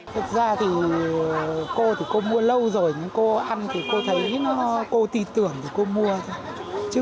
thật ra thì cô thì cô mua lâu rồi cô ăn thì cô thấy cô tìm tưởng thì cô mua thôi